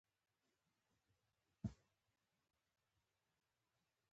آیا د ایران انفلاسیون یوه ستونزه نه ده؟